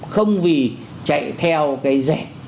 không vì chạy theo cái rẻ